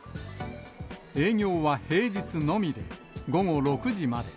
営業は平日のみで、午後６時まで。